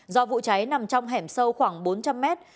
do vụ cháy nằm trong hẻm sâu khoảng bốn trăm linh mét